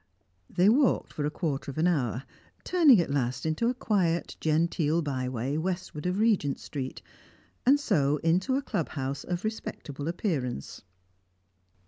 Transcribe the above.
They walked for a quarter of an hour, turning at last into a quiet, genteel byway westward of Regent Street, and so into a club house of respectable appearance.